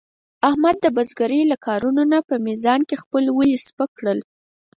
احمد د بزرګرۍ له کارونو نه په میزان کې خپل ولي سپک کړل.